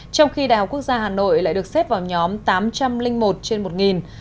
trong khi đại học quốc gia hà nội lại được xếp vào nhóm tám trăm linh một trên một